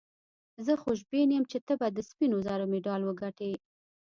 زه خوشبین یم چي ته به د سپینو زرو مډال وګټې.